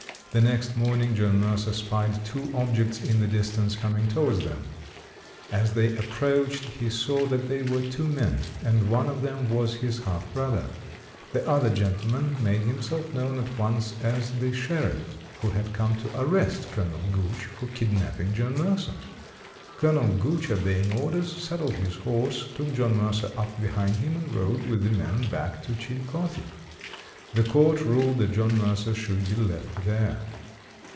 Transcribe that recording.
The next morning, John Mercer spied two objects in the distance coming towards them. As they ap proached, he saw that they were two men, and one of them was his half brother. The other gentle man made himself known at once as the sheriff, who had come to arrest Colonel Gooch for kid napping John Mercer. Colonel Gooch, obeying orders, saddled his horse, took John Mercer up behind him and rode with the men back to Chilli cothe. The court ruled that John Mercer should be left there.